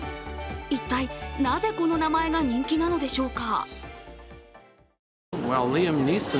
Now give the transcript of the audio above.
一体なぜ、この名前が人気なのでしょうか。